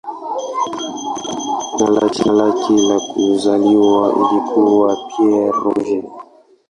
Jina lake la kuzaliwa lilikuwa "Pierre Roger".